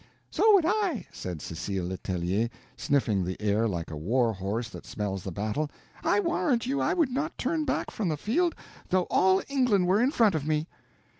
"So would I," said Cecile Letellier, sniffing the air like a war horse that smells the battle; "I warrant you I would not turn back from the field though all England were in front of me."